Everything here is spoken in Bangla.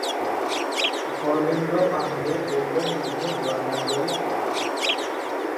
ধর্মেন্দ্র পান্ডে গৌতম বুদ্ধ বিমানবন্দরের প্রধান।